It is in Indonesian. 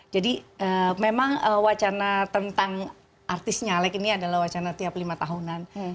jadi memang wacana tentang artis nyalek ini adalah wacana tiap lima tahunan